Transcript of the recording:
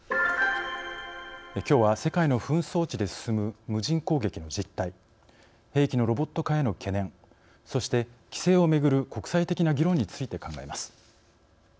きょうは世界の紛争地で進む無人攻撃の実態兵器のロボット化への懸念そして規制をめぐる国際的な議論について考えます。